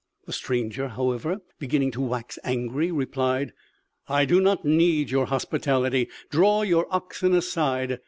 The stranger, however, beginning to wax angry, replied: "I do not need your hospitality.... Draw your oxen aside....